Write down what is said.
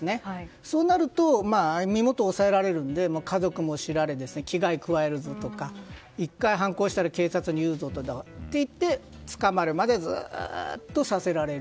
そうなると身元を押さえられるので家族も知られ危害を加えるぞとか１回反抗したら警察に言うぞとか捕まるまでずっとさせられる。